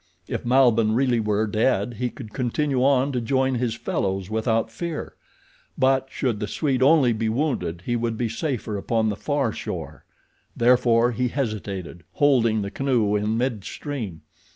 If Malbihn really were dead he could continue on to join his fellows without fear; but should the Swede only be wounded he would be safer upon the far shore. Therefore he hesitated, holding the canoe in mid stream.